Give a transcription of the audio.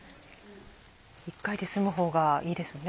１回で済む方がいいですよね。